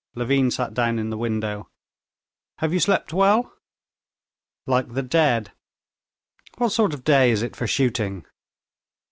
Levin sat down in the window. "Have you slept well?" "Like the dead. What sort of day is it for shooting?"